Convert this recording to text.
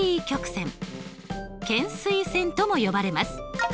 懸垂線とも呼ばれます。